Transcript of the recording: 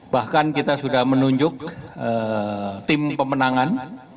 bahkan kita sudah menunjuk tim pemenangan